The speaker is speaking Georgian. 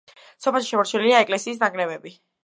სოფელში შემორჩენილია ეკლესიის ნანგრევები.